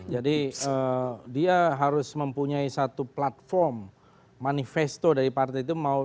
jadi dia harus mempunyai satu platform manifesto dari partai itu